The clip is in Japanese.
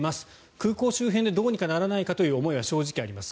空港周辺でどうにかならないかという思いは正直あります。